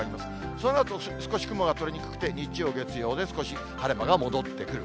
そのあと、少し雲が取れにくくて、日曜、月曜で少し晴れ間が戻ってくる。